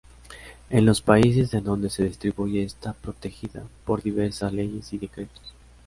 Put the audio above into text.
En los países en donde se distribuye está protegida por diversas leyes y decretos.